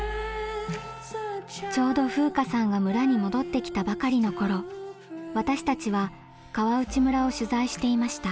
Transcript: ちょうど風夏さんが村に戻ってきたばかりの頃私たちは川内村を取材していました。